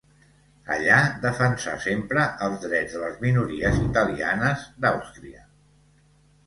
Allà defensà sempre els drets de les minories italianes d'Àustria.